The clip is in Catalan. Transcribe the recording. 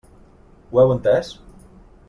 Ho heu entès?